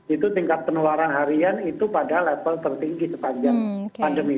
itu tingkat penularan harian itu pada level tertinggi sepanjang pandemi